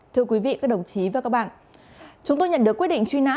thưa quý vị các đồng chí và các bạn chúng tôi nhận được quyết định truy nã